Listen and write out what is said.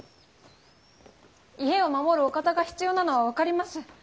家を守るお方が必要なのは分かります。